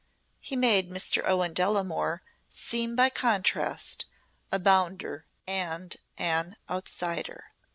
He made Mr. Owen Delamore seem by contrast a bounder and an outsider.